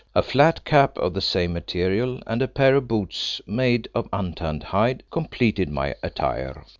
A flat cap of the same material and a pair of boots made of untanned hide completed my attire.